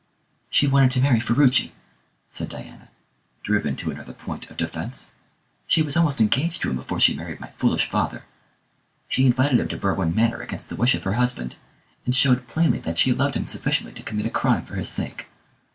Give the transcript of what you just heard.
"She wanted to marry Ferruci," said Diana, driven to another point of defence. "She was almost engaged to him before she married my foolish father; she invited him to Berwin Manor against the wish of her husband, and showed plainly that she loved him sufficiently to commit a crime for his sake.